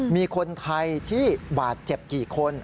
มีคนไทยที่บาดเจ็บกี่คน